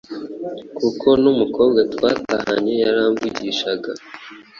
kuko n’umukobwa twatahanye yaramvugishaga